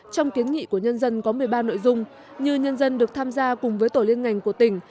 trong kiến nghị của nhân dân có một mươi ba nội dung như nhân dân được tham gia cùng với tổ liên ngành của tỉnh